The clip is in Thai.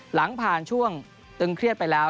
หลังผ่านช่วงตึงเครียดไปแล้ว